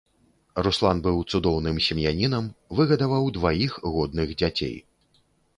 Руслан быў цудоўным сем'янінам, выгадаваў дваіх годных дзяцей.